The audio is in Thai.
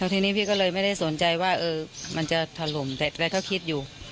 แล้วทีนี้พี่ก็เลยไม่ได้สนใจว่าเออมันจะถล่มแต่แล้วเขาคิดอยู่